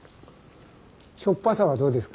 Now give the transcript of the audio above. しょっぱさはどうですか？